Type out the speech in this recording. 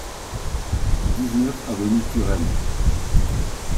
dix-neuf avenue Turenne